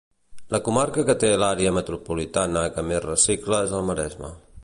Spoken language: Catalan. La comarca que té l'àrea metropolitana que més recicla és el Maresme.